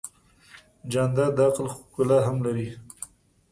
جانداد د عقل ښکلا هم لري.